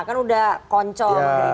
kan udah koncong